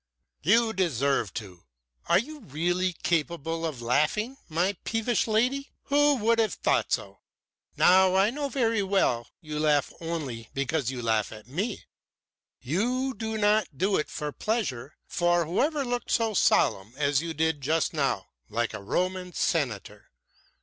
"You deserve to. Are you really capable of laughing, my peevish lady? Who would have thought so? But I know very well you laugh only because you can laugh at me. You do not do it from pleasure. For who ever looked so solemn as you did just now like a Roman senator?